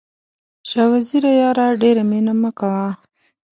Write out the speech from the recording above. شاه وزیره یاره ډېره مینه مه کوه.